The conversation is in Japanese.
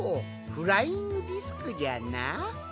フライングディスクじゃな。